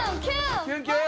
キュンキュン！